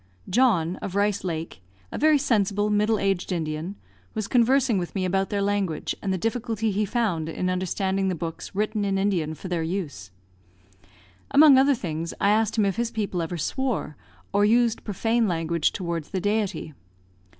John, of Rice Lake, a very sensible, middle aged Indian, was conversing with me about their language, and the difficulty he found in understanding the books written in Indian for their use. Among other things, I asked him if his people ever swore, or used profane language towards the Deity.